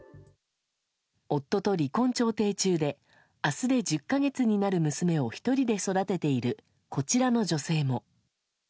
夫と離婚調停中で、あすで１０か月になる娘を１人で育てているこちらの女性も。